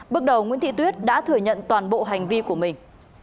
bước đầu nguyễn thị tuyết đã thừa nhận toàn bộ hành vi của mình